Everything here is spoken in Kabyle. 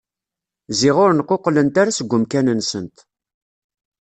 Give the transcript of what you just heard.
Ziɣ ur nquqlent ara seg umkan-nsent.